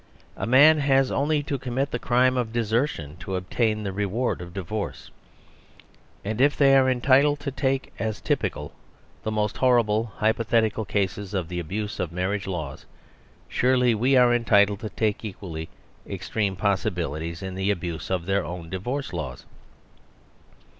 A man has only to commit the crime of desertion to ob tain the reward of divorce. And if they are entitled to take as typical the most horrible hypothetical cases of the abuse of the marriage laws, surely we are entitled to take equally ex treme possibilities in the abuse of their own divorce laws.